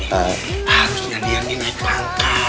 harusnya dia ini naik angka